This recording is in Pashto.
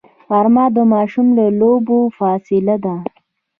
غرمه د ماشوم له لوبو فاصله ده